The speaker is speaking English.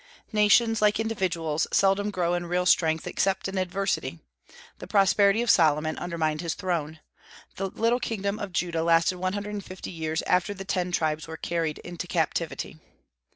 Nations, like individuals, seldom grow in real strength except in adversity. The prosperity of Solomon undermined his throne. The little kingdom of Judah lasted one hundred and fifty years after the ten tribes were carried into captivity.